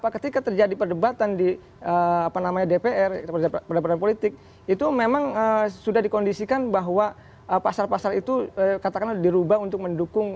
ketika terjadi perdebatan di dpr pada peradaban politik itu memang sudah dikondisikan bahwa pasar pasar itu dirubah untuk mendukung